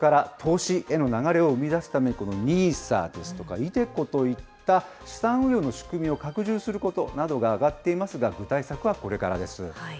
貯蓄から投資への流れを生み出すため、このＮＩＳＡですとかｉＤｅＣｏといった資産運用の仕組みを拡充することなどが挙がっていますが、具体策はこれからです。